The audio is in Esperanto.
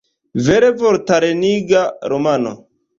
Vere vortareniga romano!